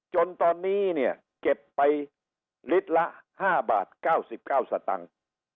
จนตอนนี้เนี่ยเก็บไปลิตรละ๕บาท๙๙สตังค์